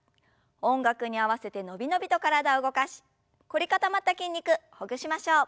音楽に合わせて伸び伸びと体を動かし凝り固まった筋肉ほぐしましょう。